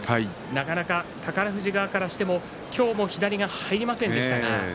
なかなか宝富士側からしても今日も左が入りませんでしたか？